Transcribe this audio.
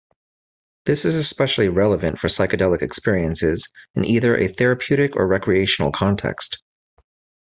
This is especially relevant for psychedelic experiences in either a therapeutic or recreational context.